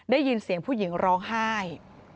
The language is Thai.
ได้ยินเสียงผู้หญิงร้องไห้